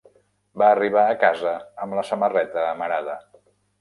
Va arribar a casa amb la samarreta amarada.